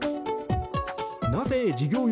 なぜ事業用